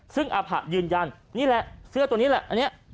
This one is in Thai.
ซึ่งอาผะยืนยันนี่แหละเสื้อตัวนี้แหละอันนี้